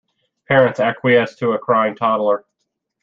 Parents acquiesce to a crying toddler.